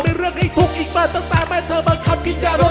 ช่างสิ่งป่และให้ช่างเห็นมั้ยเธอมาคับกินได้รถม